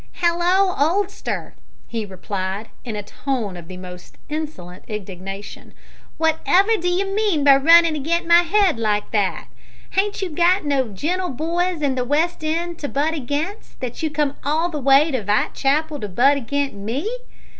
"Hallo, oldster!" he replied, in a tone of the most insolent indignation, "wot ever do you mean by runnin' agin my 'ead like that? Hain't you got no genteel boys in the West end to butt agin, that you come all the way to Vitechapel to butt agin me?